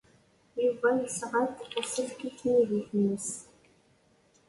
Yuba yesɣa-d asefk i tmidit-nnes.